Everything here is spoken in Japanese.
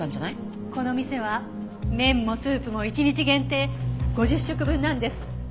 この店は麺もスープも１日限定５０食分なんです。